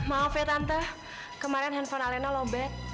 maaf ya tante kemarin handphone alena lombe